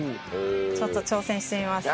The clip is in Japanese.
ちょっと挑戦してみます。